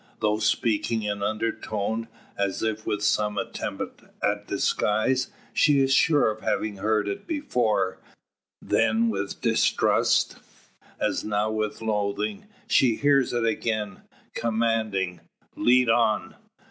Though speaking in undertone, and as if with some attempt at disguise, she is sure of having heard it before; then with distrust, as now with loathing. She hears it again, commanding: "Lead on!"